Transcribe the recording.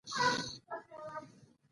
د سترګې د کرې دننه وګورئ.